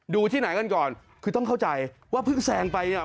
ที่ไหนกันก่อนคือต้องเข้าใจว่าเพิ่งแซงไปเนี่ย